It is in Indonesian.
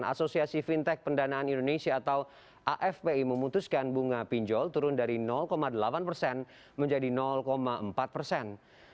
asosiasi fintech pendanaan indonesia atau afpi memutuskan bunga pinjol turun dari delapan persen menjadi empat persen